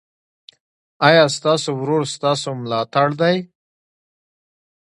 ایا ستاسو ورور ستاسو ملاتړ دی؟